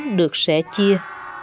chúng được sẻ chia